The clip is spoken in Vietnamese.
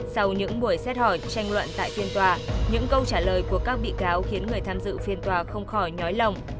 sau những buổi xét hỏi tranh luận tại phiên tòa những câu trả lời của các bị cáo khiến người tham dự phiên tòa không khỏi ngói lòng